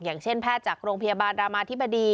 อย่างเช่นแพทย์จากโรงพยาบาลรามาธิบดี